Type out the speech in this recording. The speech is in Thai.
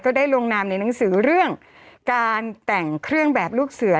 ได้ลงนามในหนังสือเรื่องการแต่งเครื่องแบบลูกเสือ